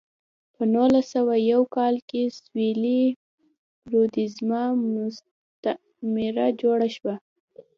په نولس سوه یو کال کې سویلي رودزیا مستعمره جوړه شوه.